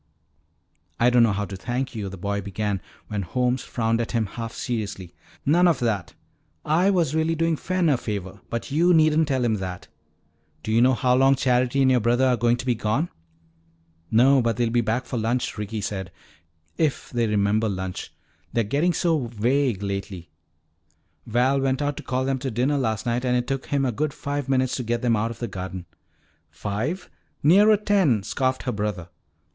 "I don't know how to thank you," the boy began when Holmes frowned at him half seriously. "None of that. I was really doing Fen a favor, but you needn't tell him that. Do you know how long Charity and your brother are going to be gone?" "No. But they'll be back for lunch," Ricky said. "If they remember lunch they're getting so vague lately. Val went out to call them to dinner last night and it took him a good five minutes to get them out of the garden." "Five? Nearer ten," scoffed her brother.